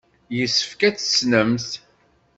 Yessefk ad t-tessnemt.